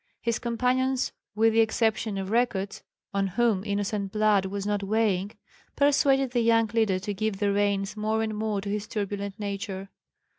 His companions with the exception of Rekuts, on whom innocent blood was not weighing, persuaded the young leader to give the reins more and more to his turbulent nature.